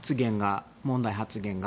問題発言が。